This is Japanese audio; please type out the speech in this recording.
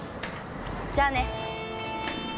じゃあね。